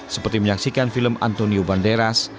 seperti menyaksikan film antonio bandaras